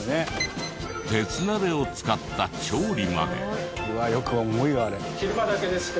鉄鍋を使った調理まで。